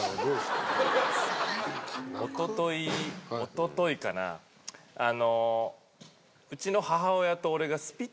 おとといおとといかなうちの。